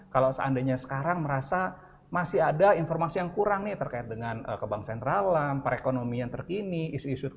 kalau seandainya sekarang merasa masih ada informasi yang kurang nih terkait dengan kebang sentralan perekonomian terkini isu isu